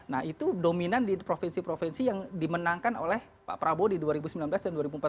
nah itu dominan di provinsi provinsi yang dimenangkan oleh pak prabowo di dua ribu sembilan belas dan dua ribu empat belas